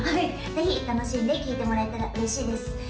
ぜひ楽しんで聴いてもらえたら嬉しいです